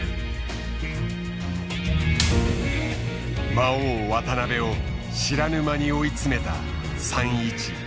魔王渡辺を知らぬ間に追い詰めた３一銀。